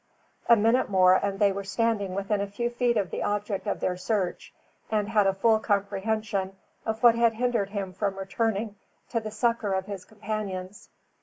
A minute more, and they were standing within a few feet of the object of their search, and had a full comprehension of what had hindered him from returning to the succour of his companions.